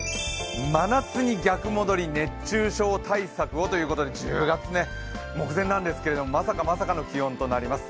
真夏に逆戻り、熱中症対策をということで１０月目前なんですけど、まさかまさかの気温となります。